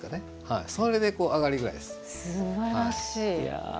すばらしい。